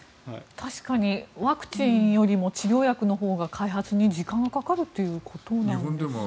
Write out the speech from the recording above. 確かにワクチンよりも治療薬のほうが開発に時間がかかるということなんですかね。